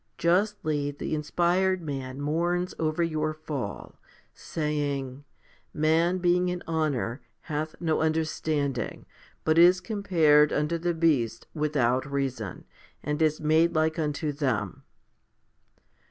Justly the inspired man mourns over your fall, saying, Man being in honour hath no understanding, but is compared unto the beasts without reason, and is made like unto them.